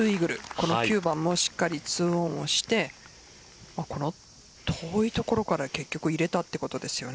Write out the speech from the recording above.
この９番もしっかりツーオンして遠い所から結局、入れたということですよね。